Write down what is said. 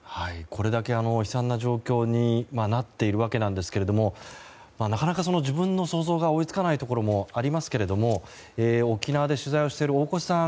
これだけ悲惨な状況になっているわけですがなかなか自分の想像が追い付かないところもありますけれども沖縄で取材をしている大越さん